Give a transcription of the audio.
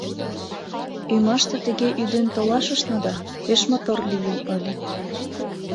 Ӱмаште тыге ӱден толашышна да, пеш мотор лийын ыле.